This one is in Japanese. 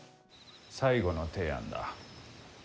最後の提案だ。